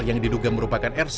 yang diduga merupakan elektrik